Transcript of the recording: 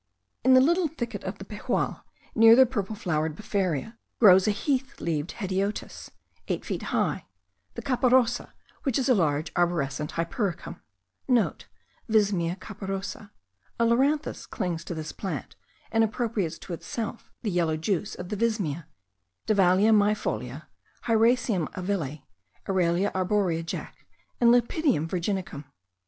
In the little thicket of the Pejual, near the purple flowered befaria, grows a heath leaved hedyotis, eight feet high; the caparosa,* which is a large arborescent hypericum (* Vismia caparosa (a loranthus clings to this plant, and appropriates to itself the yellow juice of the vismia); Davallia meifolia, Heracium avilae, Aralia arborea, Jacq., and Lepidium virginicum.